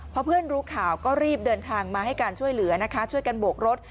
พอเพื่อนรู้ข่าวก็รีบเดินทางมาให้การช่วยเหลือนะคะช่วยกันโบกรถ